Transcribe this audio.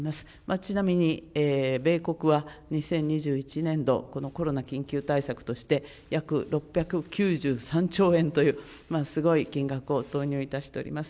ちなみに米国は２０２１年度、このコロナ緊急対策として、約６９３兆円という、すごい金額を投入いたしております。